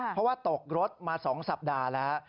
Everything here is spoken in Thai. เพราะว่าตกรถมา๒สัปดาห์แล้ว